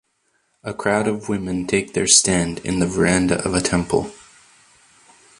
A crowd of women take their stand in the veranda of a temple.